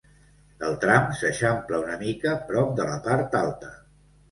El tram s'eixampla una mica prop de la part alta.